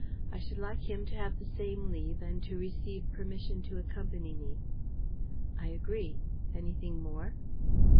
I should like him to have the same leave and to receive permission to accompany me." "I agree. Anything more?"